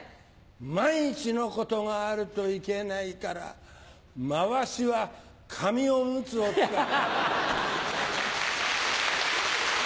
万一のことがあるといけないからまわしは紙おむつを使ってる。